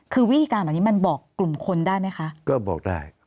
คือวิธีการแบบนี้มันบอกกลุ่มคนได้ไหมคะ